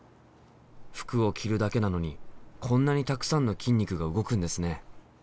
服を着るだけなのにこんなにたくさんの筋肉が動くんですね。